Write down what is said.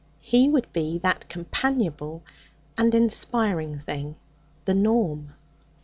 He would be that companionable and inspiring thing the norm.